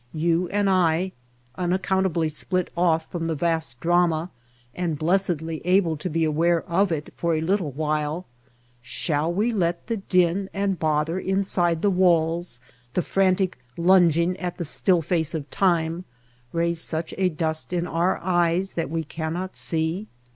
You and I, unaccountably split off from the vast drama and blessedly able to be aware of it for a little while, shall we let the din and bother inside the walls, the frantic lunging at the still face of time, raise such a dust in our eyes that we cannot see?